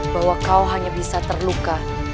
bahwa kau hanya bisa terluka